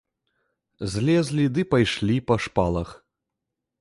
Злезлі ды пайшлі па шпалах.